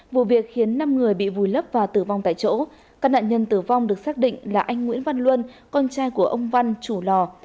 vụ việc khiến năm người bị vùi lấp và tử vong tại chỗ các nạn nhân tử vong được xác định là anh nguyễn văn luân con trai của ông văn chủ lò